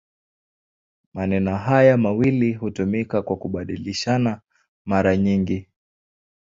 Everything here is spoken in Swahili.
Maneno haya mawili hutumika kwa kubadilishana mara nyingi.